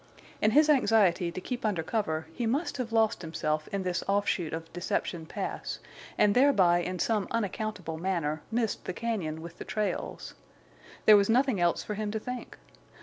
In his anxiety to keep under cover he must have lost himself in this offshoot of Deception Pass, and thereby in some unaccountable manner, missed the cañon with the trails. There was nothing else for him to think.